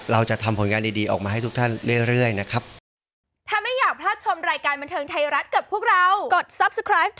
เราจะทำผลงานดีออกมาให้ทุกท่านเรื่อยนะครับ